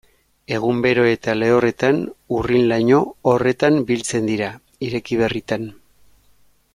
Egun bero eta lehorretan urrin-laino horretan biltzen dira, ireki berritan.